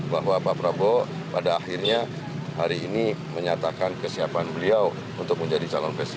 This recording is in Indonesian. bahwa pak prabowo pada akhirnya hari ini menyatakan kesiapan beliau untuk menjadi calon presiden